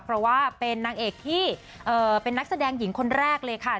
เพราะว่าเป็นนางเอกที่เป็นนักแสดงหญิงคนแรกเลยค่ะ